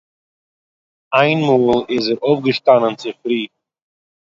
איינמאל איז ער אויפגעשטאנען צופרי